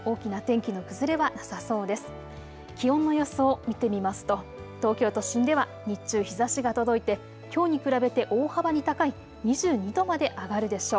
気温の予想を見てみますと東京の都心では日中、日ざしが届いてきょうに比べて大幅に高い２２度まで上がるでしょう。